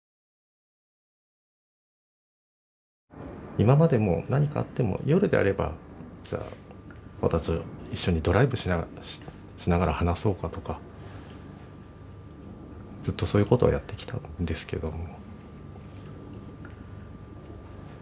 今までも何かあっても夜であればじゃあ私と一緒にドライブしながら話そうかとかずっとそういうことはやってきたんですけども。